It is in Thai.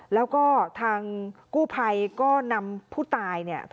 แล้วก็ทางกู้ภัยก็นำผู้ตายเนี่ย